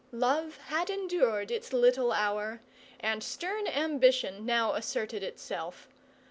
Love had endured its little hour, and stern ambition now asserted itself.